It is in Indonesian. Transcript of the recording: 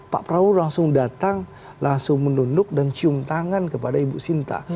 pak prabowo langsung datang langsung menunduk dan cium tangan kepada ibu sinta